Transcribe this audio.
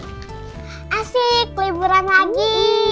asik liburan lagi